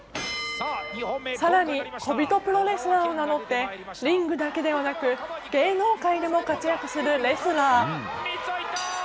さらに小人プロレスラーを名乗って、リングだけではなく、芸能界でも活躍するレスラー。